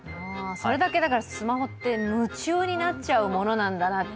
それだけスマホって夢中になっちゃうものなんだなって。